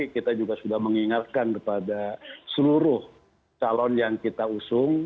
kita juga sudah mengingatkan kepada seluruh calon yang kita usung